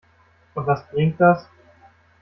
Und was bringt das?